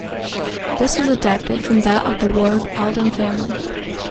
This was adapted from that of the Warde-Aldam family.